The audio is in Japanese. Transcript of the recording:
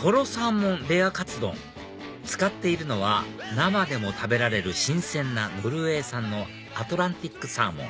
とろサーモンレアカツ丼使っているのは生でも食べられる新鮮なノルウェー産のアトランティックサーモン